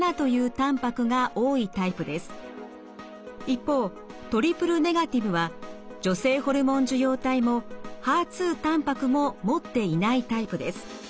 一方トリプルネガティブは女性ホルモン受容体もＨＥＲ２たんぱくも持っていないタイプです。